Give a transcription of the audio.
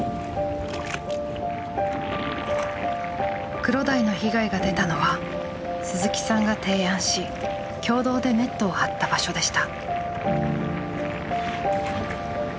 クロダイの被害が出たのは鈴木さんが提案し共同でネットを張った場所でした。